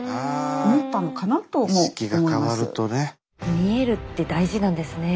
見えるって大事なんですね。